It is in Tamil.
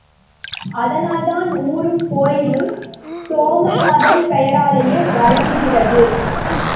அதனால்தான் ஊரும் கோயிலும் சோமநாதன் பெயராலேயே வழங்குகிறது.